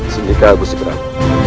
senikah aku seberang